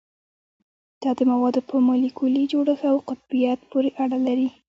دا د موادو په مالیکولي جوړښت او قطبیت پورې اړه لري